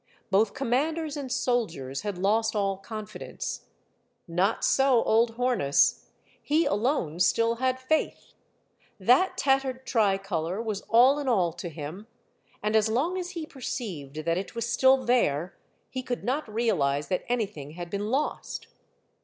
Both commanders and soldiers had lost all confidence ; not so old Hornus. He alone still had faith. That tattered tricolor was all in all to him, and as long as he perceived that it was still there, he could not realize that anything had been lost.